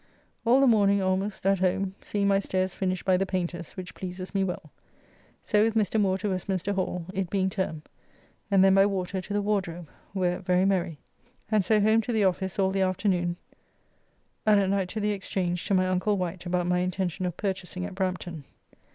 All the morning almost at home, seeing my stairs finished by the painters, which pleases me well. So with Mr. Moore to Westminster Hall, it being term, and then by water to the Wardrobe, where very merry, and so home to the office all the afternoon, and at night to the Exchange to my uncle Wight about my intention of purchasing at Brampton.